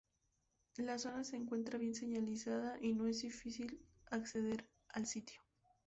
La zona se encuentra bien señalizada y no es difícil acceder al sitio.